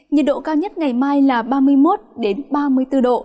nhiệt độ cao nhất ngày mai là ba mươi một ba mươi bốn độ